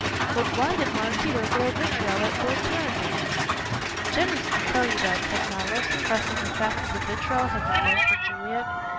But why did Maraquito throw vitriol at Lord Caranby?" "Jennings can tell you that," said Mallow, suppressing the fact that the vitriol had been meant for Juliet.